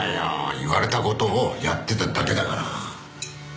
言われた事をやってただけだから。